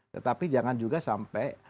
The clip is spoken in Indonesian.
tetapi jangan juga sampai